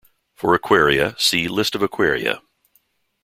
For aquaria, see List of aquaria.